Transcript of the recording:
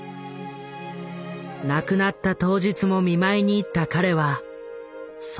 亡くなった当日も見舞いに行った彼はそうではないと言う。